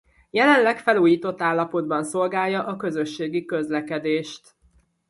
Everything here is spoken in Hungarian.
Jelenleg felújított állapotban szolgálja a közösségi közlekedést.